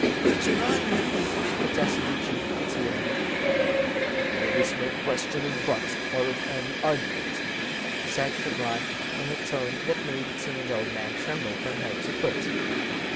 "But your Honour—" protested the Jew pitiably. "There is no question of 'but' or of any argument," said Chauvelin, in a tone that made the timid old man tremble from head to foot.